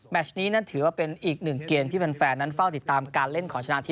แมตช์นี้ถือว่าเป็นอีกหนึ่งเกณฑ์ที่แฟนนั้นเฝ้าติดตามการเล่นขอชนะอาทิตย์